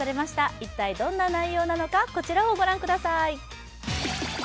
一体どんな内容なのかこちらをご覧ください。